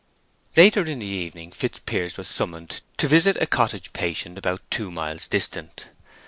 Later in the evening Fitzpiers was summoned to visit a cottage patient about two miles distant.